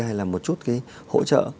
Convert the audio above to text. hay là một chút cái hỗ trợ